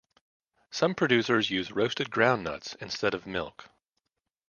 Some producers use roasted groundnuts instead of milk.